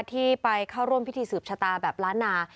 ที่ไปเข้าร่วมพิธีสืบชะตาแบบล้านนา